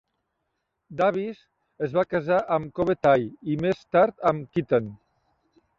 Davis es va casar amb Kobe Tai i, més tard, amb Kitten.